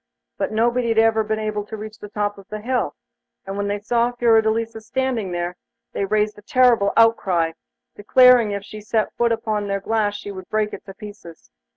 But nobody had ever been able to reach the top of the hill, and when they saw Fiordelisa standing there, they raised a terrible outcry, declaring that if she set foot upon their glass she would break it to pieces.